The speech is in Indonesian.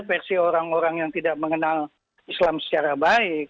versi orang orang yang tidak mengenal islam secara baik